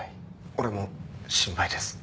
俺も心配です。